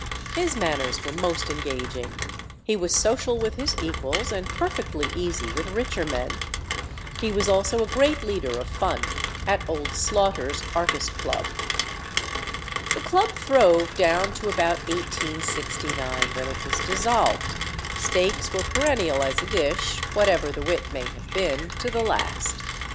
His manners were most engaging, he was social with his equals, and perfectly easy with richer men. He was also a great leader of fun at old Slaughter's artist club. The club throve down to about 1869, when it was dissolved; steaks were perennial as a dish, whatever the wit may have been, to the last.